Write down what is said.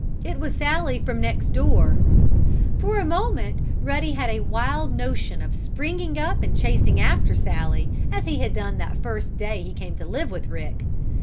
It was Sallie from next door. For a moment Ruddy had a wild notion of springing up and chasing after Sallie as he had done that first day he came to live with Rick.